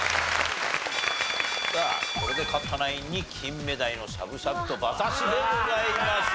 さあこれで勝ったナインに金目鯛のしゃぶしゃぶと馬刺しでございます。